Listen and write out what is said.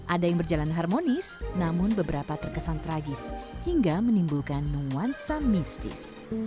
ada yang berjalan harmonis namun beberapa terkesan tragis hingga menimbulkan nuansa mistis